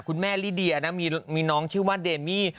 คุณแม่ลิเดียนะมีน้องชื่อว่าเดมี่